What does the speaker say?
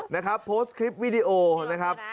นะครับโพสต์คลิปวิดีโอนะครับ